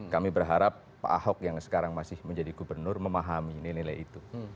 kami berharap pak ahok yang sekarang masih menjadi gubernur memahami nilai nilai itu